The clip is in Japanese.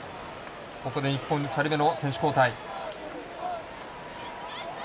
ここで日本、２人目の選手交代。